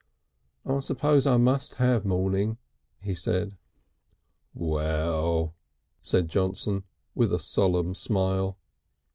"I suppose I must have mourning," he said. "Well!" said Johnson with a solemn smile.